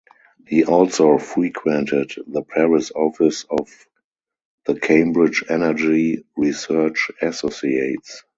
He also frequented the Paris office of the Cambridge Energy Research Associates.